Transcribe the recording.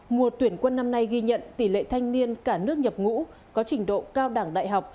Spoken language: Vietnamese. mùa tuyển quân năm nay ghi nhận tỷ lệ thanh niên cả nước nhập ngũ có trình độ cao đẳng đại học